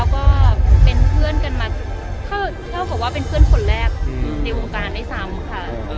ก็เป็นเพื่อนเช่าของแต่ว่าเป็นเพื่อนคนแรกในวงพิการได้ซ้ำ